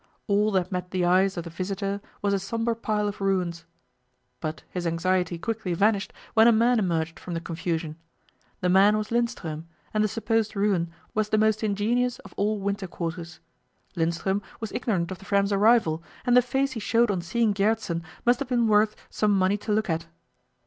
All that met the eyes of the visitor was a sombre pile of ruins. But his anxiety quickly vanished when a man emerged from the confusion. The man was Lindström, and the supposed ruin was the most ingenious of all winter quarters. Lindström was ignorant of the Fram's arrival, and the face he showed on seeing Gjertsen must have been worth some money to look at.